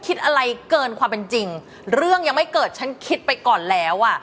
คิดอะไรเกินความเป็นจริงเรื่องยังไม่เกิดฉันคิดไปก่อนแล้วอ่ะ